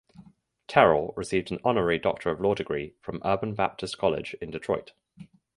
Terrell received an honorary Doctor of Law degree from Urban Baptist College in Detroit.